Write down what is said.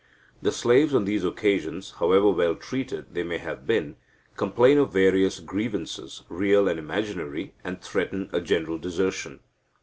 The slaves on these occasions, however well treated they may have been, complain of various grievances, real and imaginary, and threaten a general desertion.